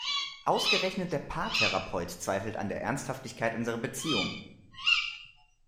Ausgerechnet der Paartherapeut zweifelt an der Ernsthaftigkeit unserer Beziehung!